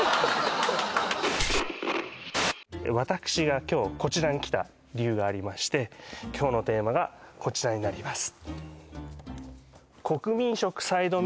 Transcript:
私が今日こちらに来た理由がありまして今日のテーマがこちらになります